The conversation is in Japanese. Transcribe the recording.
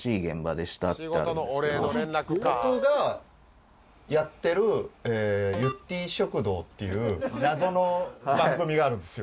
僕がやってる『ゆってぃ食堂』っていう謎の番組があるんですよ。